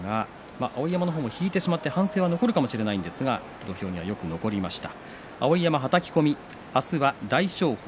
碧山の方も引いてしまって反省が残るかもしれないんですが土俵際よく残りました。